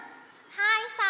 はいさい。